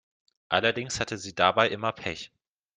Allerdings hatte sie dabei immer Pech.